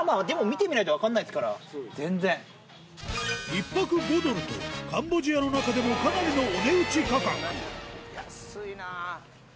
１泊５ドルとカンボジアの中でもかなりのお値打ち価格安いな！